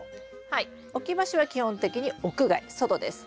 はい置き場所は基本的に屋外外です。